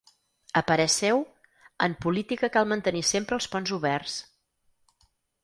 A parer seu, ‘en política cal mantenir sempre els ponts oberts’.